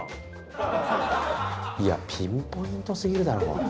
いやピンポイントすぎるだろ。